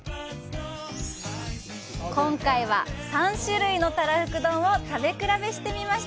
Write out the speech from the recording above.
今回は、３種類のたらふく丼を食べ比べしてみました！